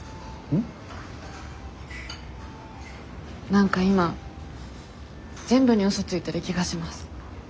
何か今全部に嘘ついてる気がします。